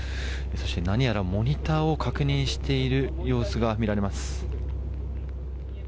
そして何やらモニターを確認している様子が見られます。